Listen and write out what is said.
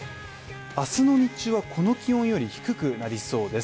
明日の日はこの気温より低くなりそうです。